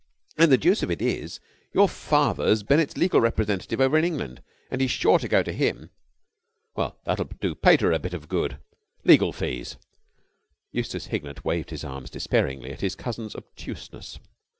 And the deuce of it is, your father's Bennett's legal representative over in England, and he's sure to go to him." "Well, that'll do the pater a bit of good. Legal fees." Eustace Hignett waved his arms despairingly at his cousin's obtuseness.